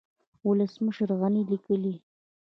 ولسمشر غني ليکلي